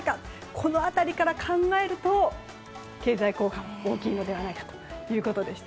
この辺りから考えると経済効果は大きいのではないかということでした。